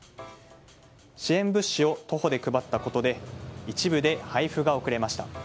支援物資を徒歩で配ったことで一部で配布が遅れました。